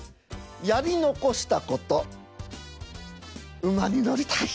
やり残したこと馬に乗りたい。